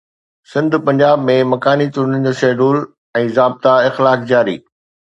سنڌ-پنجاب ۾ مڪاني چونڊن جو شيڊول ۽ ضابطا اخلاق جاري